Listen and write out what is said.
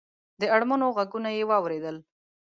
د اړمنو غږونه یې واورېدل.